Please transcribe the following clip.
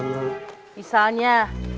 saya mau pergi ke rumah saya